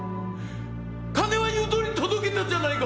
金は言うとおりに届けたじゃないか！